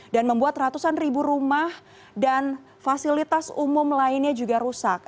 dan membuat ratusan ribu rumah dan fasilitas umum lainnya juga rusak